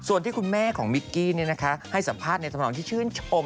ส่วนที่คุณแม่ของมิกกี้ให้สัมภาษณ์ในธรรมนองที่ชื่นชม